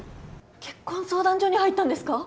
結婚相談所に入ったんですか？